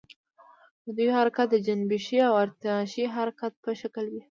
د دوی حرکت د جنبشي او ارتعاشي حرکت په شکل وي.